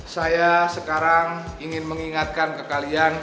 saya sekarang ingin mengingatkan ke kalian